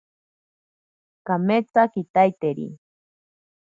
Kametsa kitaiteri.